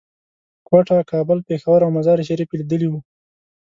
کوټه، کابل، پېښور او مزار شریف یې لیدلي وو.